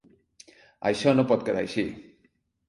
Això no pot quedar així!